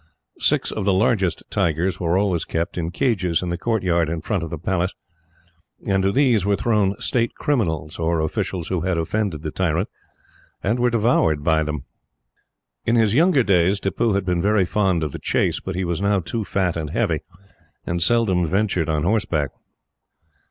Six of the largest tigers were always kept, in cages, in the courtyard in front of the Palace; and to these were thrown state criminals, or officials who had offended the tyrant, and were devoured by them. In his younger days, Tippoo had been very fond of the chase, but he was now too fat and heavy, and seldom ventured on horseback.